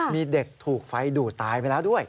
มีเด็กถูกไฟดูดตายไปแล้วด้วย